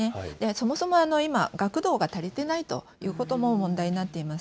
そもそも今、学童が足りてないということも問題になっています。